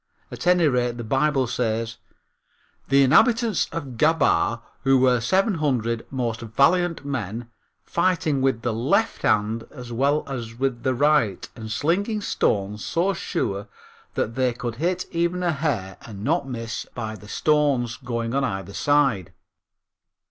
At any rate the Bible says: "The inhabitants of Gabaa, who were seven hundred most valiant men, fighting with the left hand as well as with the right and slinging stones so sure that they could hit even a hair, and not miss by the stone's going on either side."